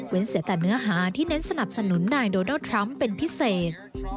เสียแต่เนื้อหาที่เน้นสนับสนุนนายโดนัลดทรัมป์เป็นพิเศษ